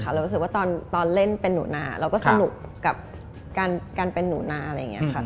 เรารู้สึกว่าตอนเล่นเป็นหนูนาเราก็สนุกกับการเป็นหนูนาอะไรอย่างนี้ค่ะ